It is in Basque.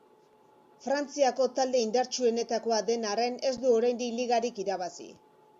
Frantziako talde indartsuenetakoa den arren ez du oraindik ligarik irabazi.